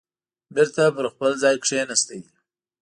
بېرته په خپل ځای کېناست.